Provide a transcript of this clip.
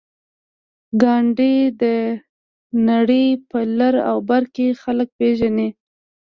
ګاندي د نړۍ په لر او بر کې خلک پېژني.